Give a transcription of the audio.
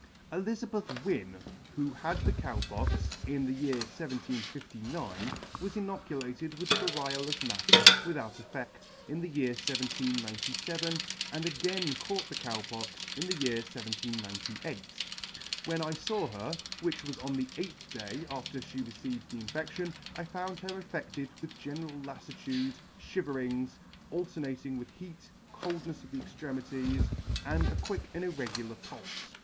Elizabeth Wynne, who had the Cow Pox in the year 1759, was inoculated with variolous matter, without effedt, in the year 1797, and again caught the Cow Pox in the year 1798. When I faw her, which was on the eighth day after fhe received the infedtion, 1 found her affedted with general latitude, fhiver ings, alternating with heat, coldnefs of the extremities, and a quick and irregular pulfe.